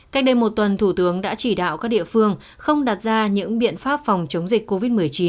cách đây một tuần thủ tướng đã chỉ đạo các địa phương không đặt ra những biện pháp phòng chống dịch covid một mươi chín